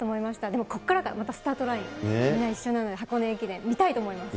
でも、ここからがまたスタートライン、みんな一緒なので、箱根駅伝、見たいと思います。